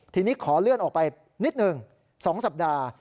ทีนี้ขอเลื่อนออกไปนิดหนึ่ง๒สัปดาห์